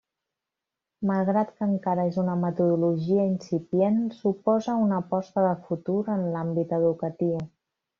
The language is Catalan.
Malgrat que encara és una metodologia incipient, suposa una aposta de futur en l’àmbit educatiu.